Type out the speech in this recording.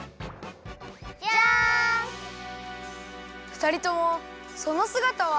ふたりともそのすがたは？